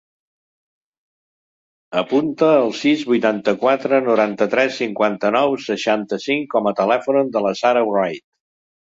Apunta el sis, vuitanta-quatre, noranta-tres, cinquanta-nou, seixanta-cinc com a telèfon de la Sara Wright.